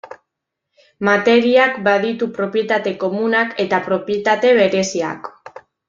Materiak baditu propietate komunak eta propietate bereziak.